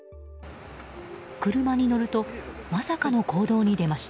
車に乗るとまさかの行動に出ました。